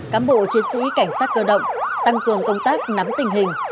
cám bộ chiến sĩ cảnh sát cơ động tăng cường công tác nắm tình hình